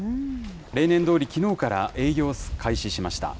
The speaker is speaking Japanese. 例年どおりきのうから営業を開始しました。